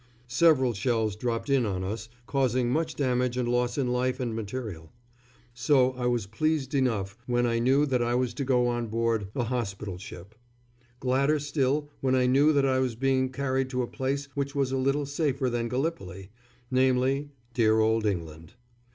Several shells dropped in on us, causing much damage and loss in life and material. So I was pleased enough when I knew that I was to go on board a hospital ship; gladder still when I knew that I was being carried to a place which was a little safer than Gallipoli, namely, dear old England.